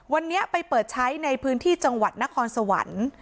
วันนี้ไปเปิดใช้ในพื้นที่จังหวัดนครสวรรค์